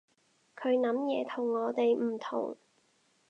佢諗嘢同我哋唔同